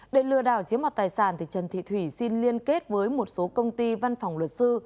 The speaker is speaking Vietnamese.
để lừa đảo giếm mặt tài sản trần thị thủy xin liên kết với một số công ty văn phòng luật sư